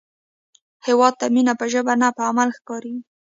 هیواد ته مینه په ژبه نه، په عمل ښکارېږي